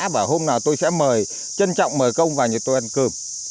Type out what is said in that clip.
và hôm nào tôi sẽ mời trân trọng mời công vào như tôi ăn cơm